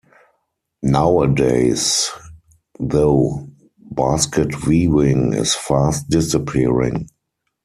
Nowadays, though, basket-weaving is fast disappearing.